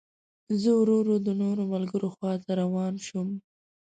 زه ورو ورو د نورو ملګرو خوا ته روان شوم.